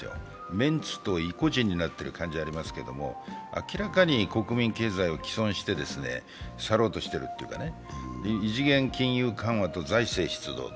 面子と意固地になっている感じがありますが明らかに国民経済を毀損して去ろうとしているというか、異次元金融緩和と財政出動と。